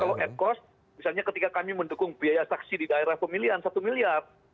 kalau ad cost misalnya ketika kami mendukung biaya saksi di daerah pemilihan satu miliar